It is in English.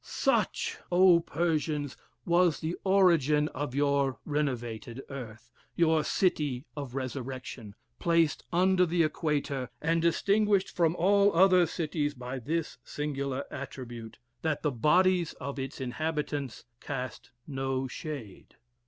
Such, O Persians! was the origin of your renovated earth, your city of resurrection, placed under the equator, and distinguished from all other cities by this singular attribute, that the bodies of its inhabitants cast no shade.